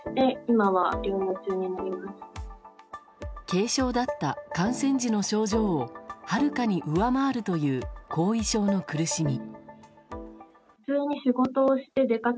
軽症だった感染時の症状をはるかに上回るという後遺症の苦しみ。